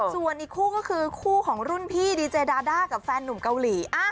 ส่วนอีกคู่ก็คือคู่ของรุ่นพี่ดีเจดาด้ากับแฟนหนุ่มเกาหลี